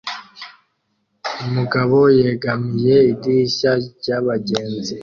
Umugabo yegamiye idirishya ryabagenzi